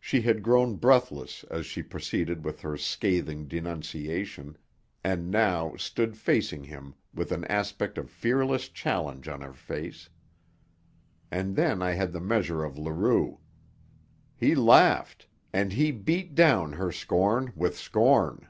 She had grown breathless as she proceeded with her scathing denunciation and now stood facing him with an aspect of fearless challenge on her face. And then I had the measure of Leroux. He laughed, and he beat down her scorn with scorn.